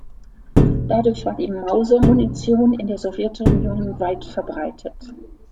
Dadurch war die Mauser-Munition in der Sowjetunion weit verbreitet.